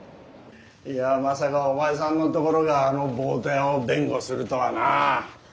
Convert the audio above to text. いやまさかお前さんのところがあのボート屋を弁護するとはなあ。